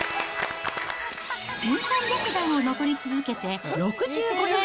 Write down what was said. １３００段を上り続けて６５年。